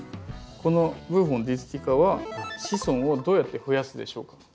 このブーフォン・ディスティカは子孫をどうやって増やすでしょうか？